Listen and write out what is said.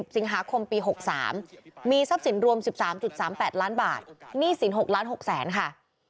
สิงหาคมปี๖๓มีทรัพย์สินรวม๑๓๓๘ล้านบาทหนี้สิน๖ล้าน๖แสนค่ะ